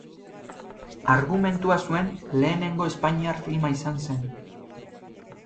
Argumentua zuen lehenengo espainiar filma izan zen.